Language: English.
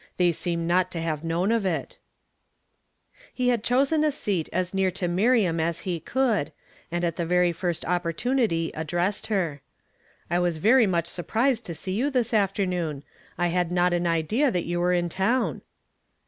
They seem not to have known of it !" He had chosen a seat as near to Miriam as he could, and at the fust opportunity addressed her. "I was very much surprised to see you tins afternoon ; I had not an idea that you were in town."